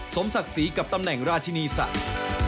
สมศักดิ์ศรีกับตำแหน่งราชินีศาสตร์